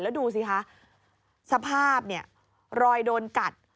แล้วดูสิคะสภาพรอยโดนกัด